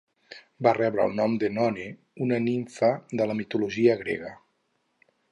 Va rebre el nom d'Enone, una nimfa de la mitologia grega.